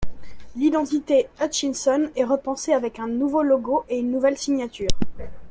L’identité Hutchinson est repensée avec un nouveau logo et une nouvelle signature.